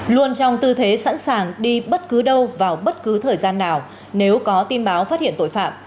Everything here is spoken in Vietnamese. luôn trong tư thế sẵn sàng đi bất cứ đâu vào bất cứ thời gian nào nếu có tin báo phát hiện tội phạm